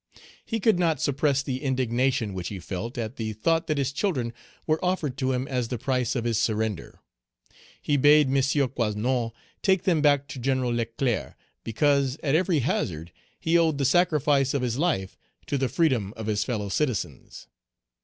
He could not suppress the indignation which he felt at the thought that his children were offered to him as the price of his surrender. He bade M. Coasnon take them back to General Leclerc, because, at every hazard, he owed the sacrifice of his life to the freedom of his fellow citizens.